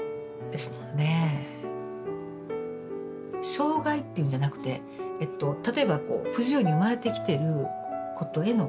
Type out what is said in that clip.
障害っていうんじゃなくて例えば不自由に生まれてきてることへの障壁っていうかね